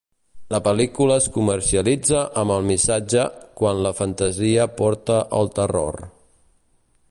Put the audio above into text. La pel.lícula es comercialitza amb el missatge "quan la fantasia porta al terror".